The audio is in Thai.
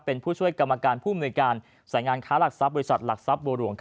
เป็นผู้ช่วยกรรมการผู้มนุยการสายงานค้าหลักทรัพย์บริษัทหลักทรัพย์บัวหลวง